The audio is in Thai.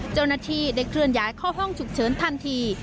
เจ้าหน้าที่ได้เคลื่อนย้ายเข้าห้องฉุกเฉินทันที